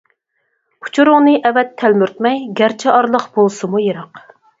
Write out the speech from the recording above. ئۇچۇرۇڭنى ئەۋەت تەلمۈرتمەي، گەرچە ئارىلىق بولسىمۇ يىراق.